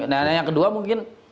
nah yang kedua mungkin